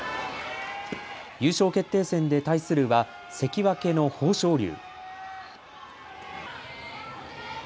優勝決定戦で対するは関脇の豊昇龍。